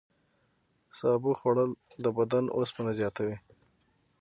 سابه خوړل د بدن اوسپنه زیاتوي.